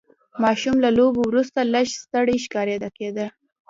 ماشوم له لوبو وروسته لږ ستړی ښکاره کېده.